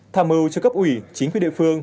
tham ưu cho cấp ủy chính quyền địa phương